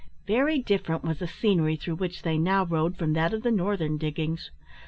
Very different was the scenery through which they now rode from that of the northern diggings.